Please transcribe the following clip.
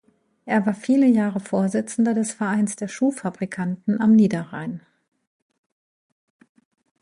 Er war viele Jahre Vorsitzender des "Vereins der Schuhfabrikanten am Niederrhein".